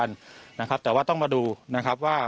นี่ก็เป็นตรงที